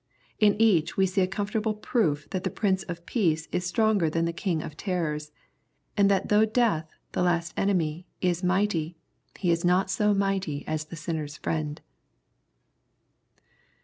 In each we see a comfortable proof that the Prince of Peace is stronger than the king of tenders, and that though death, the last enemy, is mighty, he is not so mighty as the sinner's Friend.